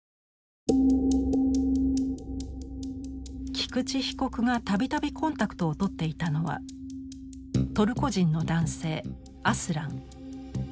菊池被告が度々コンタクトを取っていたのはトルコ人の男性アスラン。